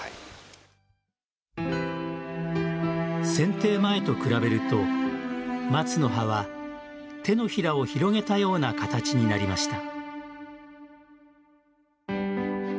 剪定前と比べると松の葉は、手のひらを広げたような形になりました。